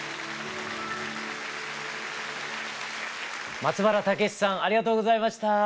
松原健之さんありがとうございました。